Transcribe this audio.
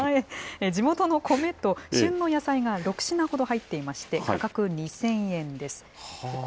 地元の米と旬の野菜が６品ほど入っていまして、価格２０００円です。